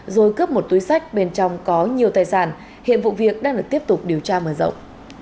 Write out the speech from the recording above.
rồi cướp một túi sách bên trong có nhiều tài sản hiện vụ việc đang được tiếp tục điều tra mở rộng